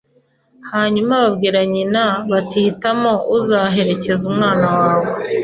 Hanyuma babwira nyina bati hitamo uzaherekeza umwana wawe,